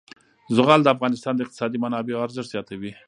زغال د افغانستان د اقتصادي منابعو ارزښت زیاتوي.